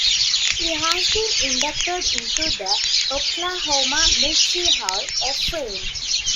He has been inducted into the Oklahoma Military Hall of Fame.